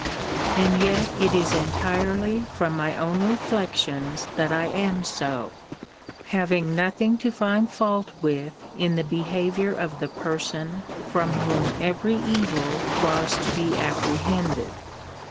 And yet it is entirely from my own reflections that I am so, having nothing to find fault with in the behaviour of the person from whom every evil was to be apprehended.